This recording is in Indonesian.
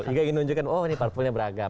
hingga ini nunjukkan oh ini parpolnya beragam